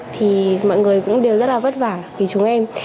thì mọi người cũng đều rất là vất vả vì chúng em